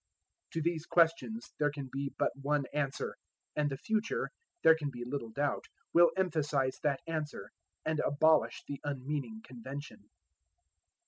To these questions there can be but one answer: and the future, there can be little doubt, will emphasize that answer, and abolish the unmeaning convention.